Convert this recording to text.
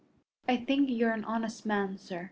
"I think you are an honest man, sir.